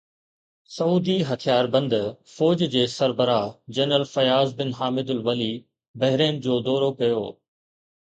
سعودي هٿياربند فوج جي سربراهه جنرل فياض بن حامد الولي بحرين جو دورو ڪيو